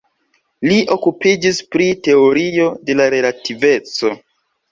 Li okupiĝis pri teorio de la relativeco.